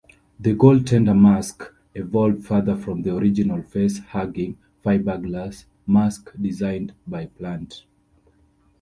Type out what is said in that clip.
The goaltender mask evolved further from the original face-hugging fiberglass mask designed by Plante.